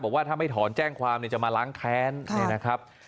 บอกว่าถ้าไม่ถอนแจ้งความจะมาล้างแค้นเนี่ยนะครับ